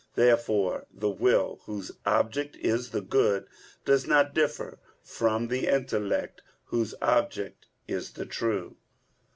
Therefore the will, whose object is the good, does not differ from the intellect, whose object is the true.